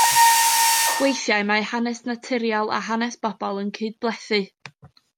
Weithiau mae hanes naturiol a hanes pobl yn cydblethu.